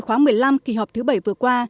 khóa một mươi năm kỳ họp thứ bảy vừa qua